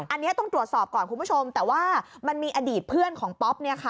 อันนี้ต้องตรวจสอบก่อนคุณผู้ชมแต่ว่ามันมีอดีตเพื่อนของป๊อปเนี่ยค่ะ